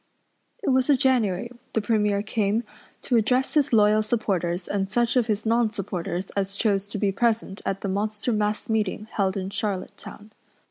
It was a January the Premier came, to address his loyal supporters and such of his nonsupporters as chose to be present at the monster mass meeting held in Charlottetown.